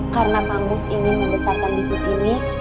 karena kang mus ingin membesarkan bisnis ini